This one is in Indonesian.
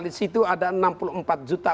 disitu ada enam puluh empat juta